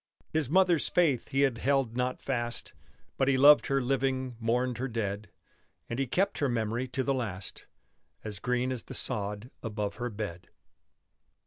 His mother's faith he held not fast; But he loved her living, mourned her dead, And he kept her memory to the last As green as the sod above her bed.